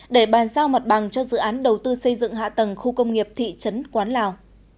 để bàn giao mặt bằng cho dự án đầu tư xây dựng hạ tầng khu công nghiệp thị trấn quán lào